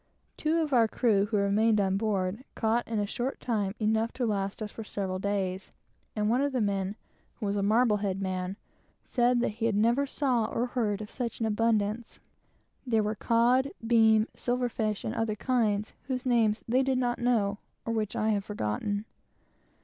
Two of our crew, who remained on board, caught in a few minutes enough to last us for several days, and one of the men, who was a Marblehead man, said that he never saw or heard of such an abundance. There were cod, breams, silver fish, and other kinds whose names they did not know, or which I have forgotten.